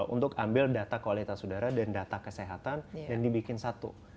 untuk ambil data kualitas udara dan data kesehatan dan dibikin satu